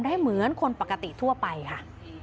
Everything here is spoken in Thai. เหมือนคนปกติทั่วไปค่ะ